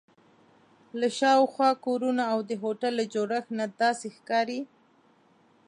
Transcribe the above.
له شاوخوا کورونو او د هوټل له جوړښت نه داسې ښکاري.